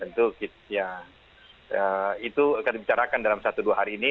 itu kita bicarakan dalam satu dua hari ini